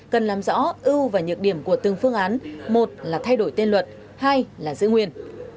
cần làm rõ ưu và nhược điểm của từng phương án một là thay đổi tên luật hai là giữ nguyên